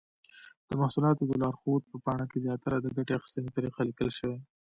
د محصولاتو د لارښود په پاڼه کې زیاتره د ګټې اخیستنې طریقه لیکل شوې.